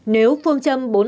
nếu phương châm bốn tài sản